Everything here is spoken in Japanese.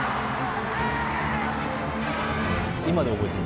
今でも覚えてる。